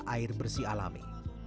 air bersih alami